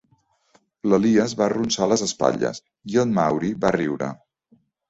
L'Elias va arronsar les espatlles i en Maury va riure.